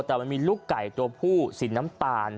แต่มันมีไล่เก่าผู้สินน้ำตาล